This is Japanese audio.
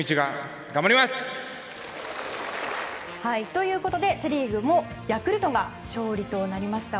ということでセ・リーグもヤクルトが勝利となりました。